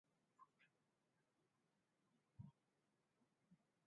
Shilingi elfu mbili mia sita tisini na mbili za Tanzania